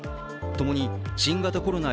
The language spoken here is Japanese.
共に新型コロナ